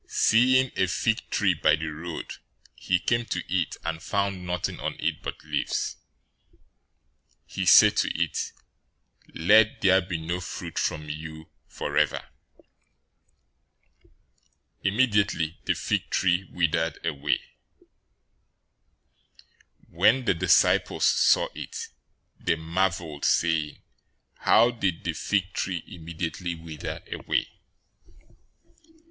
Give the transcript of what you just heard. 021:019 Seeing a fig tree by the road, he came to it, and found nothing on it but leaves. He said to it, "Let there be no fruit from you forever!" Immediately the fig tree withered away. 021:020 When the disciples saw it, they marveled, saying, "How did the fig tree immediately wither away?"